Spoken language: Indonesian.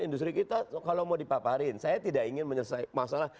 industri kita kalau mau dipaparin saya tidak ingin menyelesaikan masalah